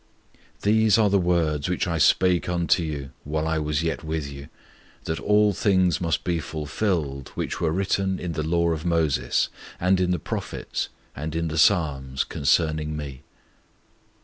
'_These are the words which I spake unto you, while I was yet with you, that all things must be fulfilled, which were written in the law of Moses, and in the prophets, and in the Psalms, concerning Me.